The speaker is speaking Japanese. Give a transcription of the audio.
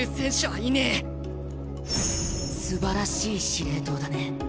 すばらしい司令塔だね。